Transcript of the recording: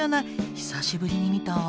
久しぶりに見たわ。